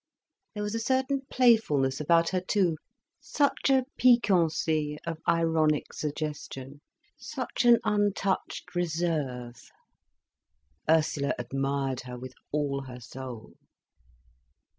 There was a certain playfulness about her too, such a piquancy or ironic suggestion, such an untouched reserve. Ursula admired her with all her soul.